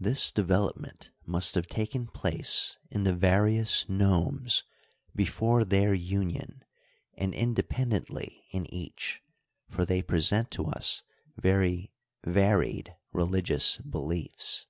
This development must have taken place in the various nomes before their union and independentlv in each, for they pre sent to us very varied religious beliefs.